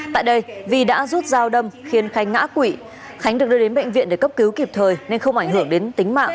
tại đây vi đã rút dao đâm khiến khánh ngã quỷ khánh được đưa đến bệnh viện để cấp cứu kịp thời nên không ảnh hưởng đến tính mạng